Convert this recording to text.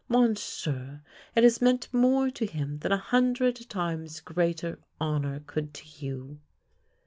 Monsieur, it has meant more to him than a hundred times greater hon our could to you.